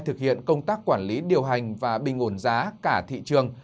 thực hiện công tác quản lý điều hành và bình ổn giá cả thị trường